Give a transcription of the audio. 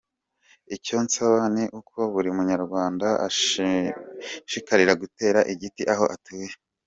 Icyo nsaba ni uko buri munyarwanda ashishikarira gutera igiti aho atuye.